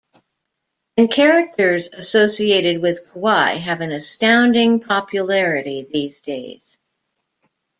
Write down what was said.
And characters associated with kawaii have an astounding popularity these days.